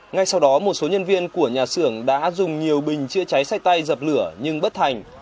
ngay sau đó một số nhân viên của nhà xưởng đã dùng nhiều bình chữa cháy xây tay dập lửa nhưng bất thành